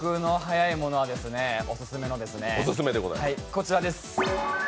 こちらです。